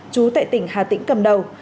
chú tại tỉnh hà tĩnh cầm đầu